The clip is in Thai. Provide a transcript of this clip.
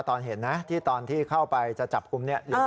ตอนที่เข้าไปจะจับอุ้มเนี่ย